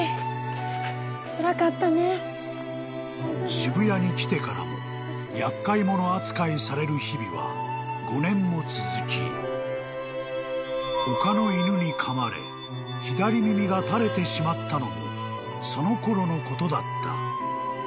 ［渋谷に来てからも厄介もの扱いされる日々は５年も続き他の犬にかまれ左耳が垂れてしまったのもそのころのことだった］